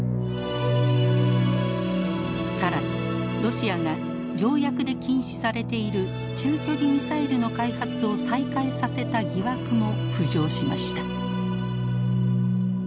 更にロシアが条約で禁止されている中距離ミサイルの開発を再開させた疑惑も浮上しました。